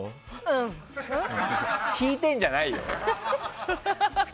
引いてんじゃないよ。